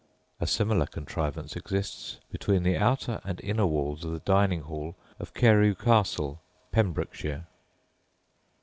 A similar contrivance exists between the outer and inner walls of the dining hall of Carew Castle, Pembrokeshire.